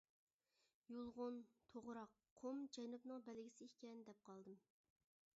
يۇلغۇن، توغراق، قۇم جەنۇبنىڭ بەلگىسى ئىكەن، دەپ قالدىم.